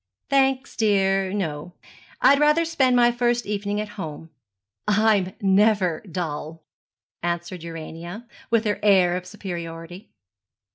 'Thanks, dear, no; I'd rather spend my first evening at home. I'm never dull,' answered Urania, with her air of superiority.